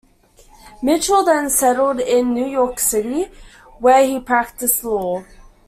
Mitchell then settled in New York City where he practiced law.